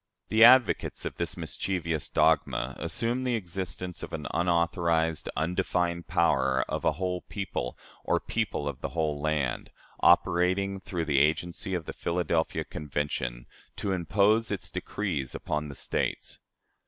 The advocates of this mischievous dogma assume the existence of an unauthorized, undefined power of a "whole people," or "people of the whole land," operating through the agency of the Philadelphia Convention, to impose its decrees upon the States.